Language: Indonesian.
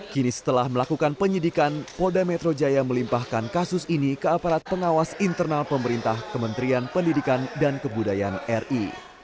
kini setelah melakukan penyidikan polda metro jaya melimpahkan kasus ini ke aparat pengawas internal pemerintah kementerian pendidikan dan kebudayaan ri